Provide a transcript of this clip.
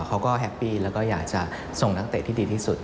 เขาก็แฮปปี้แล้วก็อยากจะส่งนักเตะที่ดีที่สุด